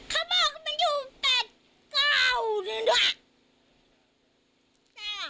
เค้าบอกมันอยู่แปดเก้านึงด้วย